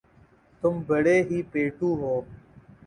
تم بڑے ہی پیٹُو ہو